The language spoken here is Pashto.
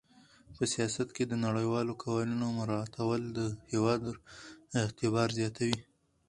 په سیاست کې د نړیوالو قوانینو مراعاتول د هېواد اعتبار زیاتوي.